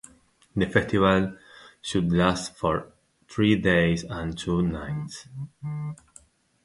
The festival should last for three days and two nights.